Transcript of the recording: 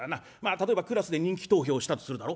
例えばクラスで人気投票したとするだろ。